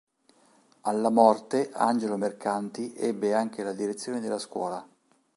Alla morte Angelo Mercati ebbe anche la direzione della Scuola.